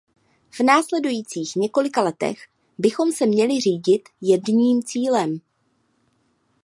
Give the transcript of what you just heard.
V následujících několika letech bychom se měli řídit jedním cílem.